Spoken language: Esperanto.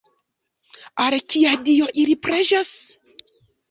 Al kia dio ili preĝas?